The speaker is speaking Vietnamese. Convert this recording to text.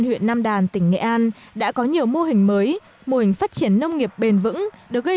hà lan tỉnh nghệ an đã có nhiều mô hình mới mô hình phát triển nông nghiệp bền vững được gây